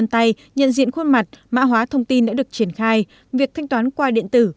triển khai việc thanh toán qua điện tử